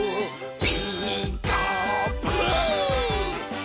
「ピーカーブ！」